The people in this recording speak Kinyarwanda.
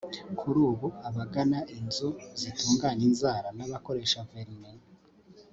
Kuri ubu abagana inzu zitunganya inzara n’abakoresha vernis